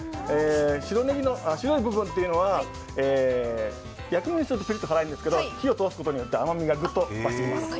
白い部分っていうのは薬味にするとちょっと辛いんですけど火を通すことによって甘みがぐっと増してきます。